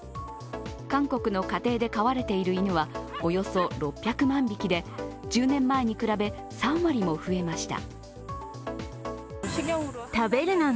韓国の家庭で飼われている犬はおよそ６００万匹で１０年前に比べ３割を増えました。